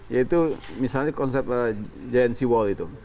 yaitu misalnya konsep genc wall itu